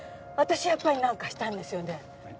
私やっぱりなんかしたんですよね？